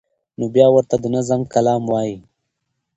نو بیا ورته د نظم کلام وایی